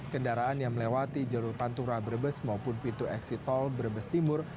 kendaraan yang melewati jalur pantura brebes maupun pintu eksit tol brebes timur